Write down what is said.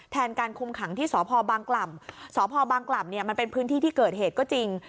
แทนการคุมขังที่สพบางกล่ำสพบางกล่ำเนี่ยมันเป็นพื้นที่ที่เกิดเหตุก็จริง